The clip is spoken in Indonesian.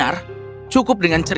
aku pasti mau tunjuk semua mcmaster